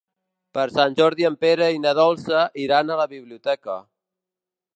Per Sant Jordi en Pere i na Dolça iran a la biblioteca.